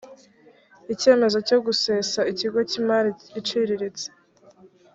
icyemezo cyo gusesa ikigo cy’imari iciriritse